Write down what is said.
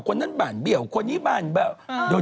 คนนั้นบานเบี้ยวคนนี้บานแบบ